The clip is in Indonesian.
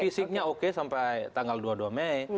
fisiknya oke sampai tanggal dua puluh dua mei